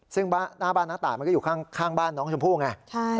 ซึ่งหน้าบ้านน้าตายมันก็อยู่ข้างบ้านน้องชมพู่ไง